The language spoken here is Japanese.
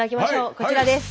こちらです。